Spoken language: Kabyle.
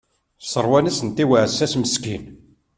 Sseṛwan-as-tent i uɛessas meskin.